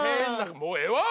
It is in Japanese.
もうええわ！